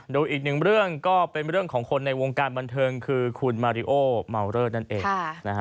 ดูอีกหนึ่งเรื่องก็เป็นเรื่องของคนในวงการบันเทิงคือคุณมาริโอเมาเลอร์นั่นเอง